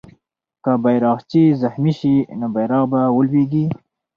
که بیرغچی زخمي سي، نو بیرغ به ولويږي.